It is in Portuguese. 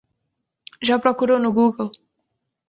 Já procurou no Google?